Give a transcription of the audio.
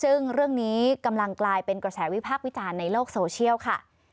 ซึ่งเรื่องนี้กำลังกลายเป็นกระแสวิพากษ์วิจารณ์ในโลกโซเชียลค่ะ